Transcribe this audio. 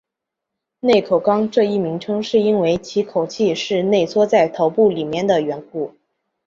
内口纲这一名称是因为其口器是内缩在头部里面的缘故。